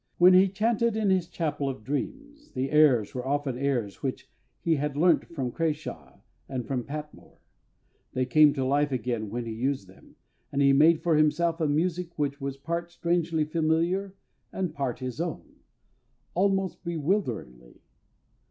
When he chanted in his chapel of dreams, the airs were often airs which he had learnt from CRASHAW and from PATMORE. They came to life again when he used them, and he made for himself a music which was part strangely familiar and part his own, almost bewilderingly.